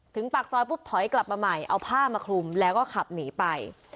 ปากซอยปุ๊บถอยกลับมาใหม่เอาผ้ามาคลุมแล้วก็ขับหนีไป